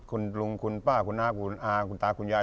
คุณลุงคุณป้าคุณน้าคุณอาคุณตาคุณยาย